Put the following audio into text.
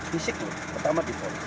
fisik pertama dipol